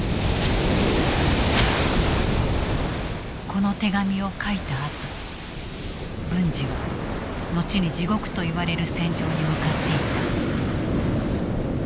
この手紙を書いたあと文次は後に地獄といわれる戦場に向かっていた。